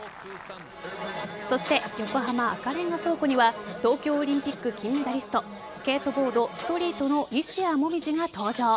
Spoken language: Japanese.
そして、横浜赤レンガ倉庫には東京オリンピック金メダリストスケートボード・ストリートの西矢椛が登場。